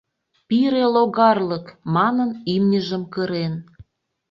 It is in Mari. Пире логарлык!.. — манын, имньыжым кырен.